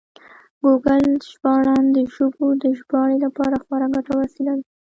ګوګل ژباړن د ژبو د ژباړې لپاره خورا ګټور وسیله ده.